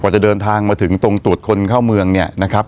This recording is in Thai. จะเดินทางมาถึงตรงตรวจคนเข้าเมืองเนี่ยนะครับ